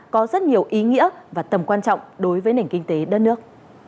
có rất nhiều ý nghĩa và tầm quan trọng đối với nền kinh tế đất nước